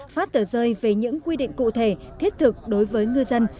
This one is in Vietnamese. phát tờ rơi về những quy định cụ thể thiết thực đối với ngư dân